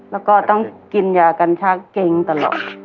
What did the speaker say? แล้วก็ต้องกินยากัญชาเกงตลอด